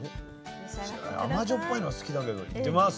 甘じょっぱいの好きだけどいってみます。